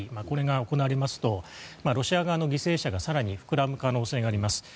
これが行われますとロシア側の犠牲者が更に膨らむ可能性があります。